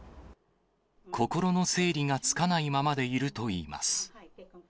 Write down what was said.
心の整理がつかないままでいるといいます。